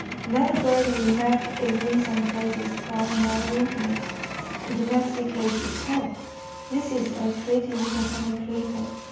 Another bird we met is in some places far more intimate, and domesticates itself. This is the pretty little honey creeper.